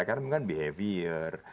karena bukan behavior